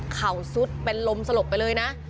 เข่าซุดเป็นลมสลบไปเลยนะ